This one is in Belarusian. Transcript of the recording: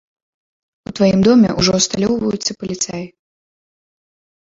У тваім доме ўжо асталёўваюцца паліцаі.